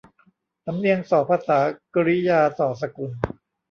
สำเนียงส่อภาษา กิริยาส่อสกุล